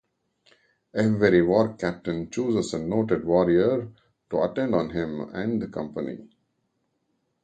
Every war captain chooses a noted warrior to attend on him and the company.